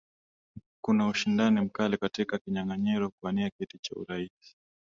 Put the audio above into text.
kuna ushindani mkali katika kinyaganyiro kuania kiti cha urais